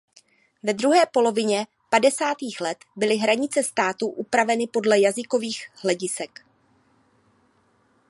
Ve druhé polovině padesátých let byly hranice států upraveny podle jazykových hledisek.